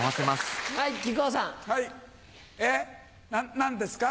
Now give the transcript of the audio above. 何ですか？